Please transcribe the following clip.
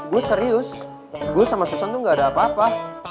gue serius gue sama susan tuh gak ada apa apa